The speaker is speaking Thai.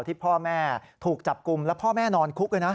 ที่พ่อแม่ถูกจับกลุ่มแล้วพ่อแม่นอนคุกด้วยนะ